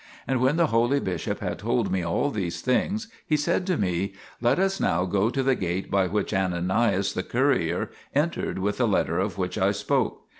And when the holy bishop had told me all these things, he said to me :" Let us now go to the gate by which Ananias the courier entered with the letter of which I spoke."